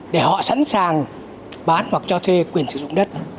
để họ sẵn sàng bán hoặc cho thuê quyền sử dụng đất